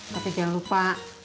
tapi jangan lupa